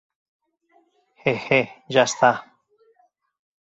He he, ja està.